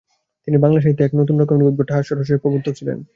তিনি বাংলা সাহিত্যে এক নতুন রকমের উদ্ভট হাস্যরসের প্রবর্তক ছিলেন।